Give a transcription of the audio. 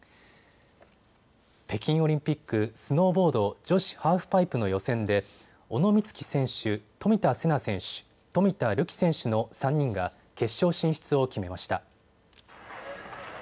北京オリンピック、スノーボード女子ハーフパイプの予選で小野光希選手、冨田せな選手、冨田るき選手の３人が決勝進出を決めました。